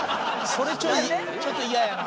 それちょっとイヤやな。